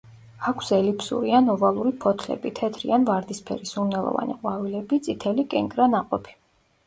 აქვს ელიფსური ან ოვალური ფოთლები, თეთრი ან ვარდისფერი სურნელოვანი ყვავილები, წითელი კენკრა ნაყოფი.